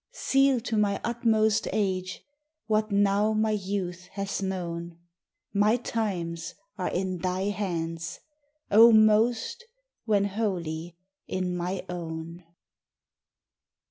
Seal to my utmost age What now my youth hath known: 'My times are in Thy hands,' O most! When wholly in my own.